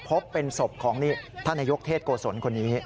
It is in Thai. พบเป็นศพของท่านนายกเทศโกศลคนนี้